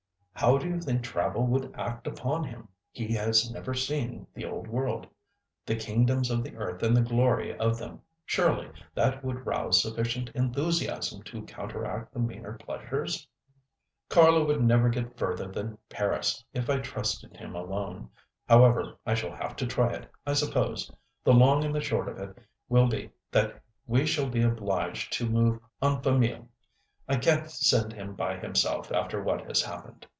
"How do you think travel would act upon him? He has never seen the Old World, 'the kingdoms of the earth and the glory of them.' Surely that would rouse sufficient enthusiasm to counteract the meaner pleasures?" "Carlo would never get further than Paris if I trusted him alone. However, I shall have to try it, I suppose. The long and the short of it will be that we shall be obliged to move en famille. I can't send him by himself after what has happened."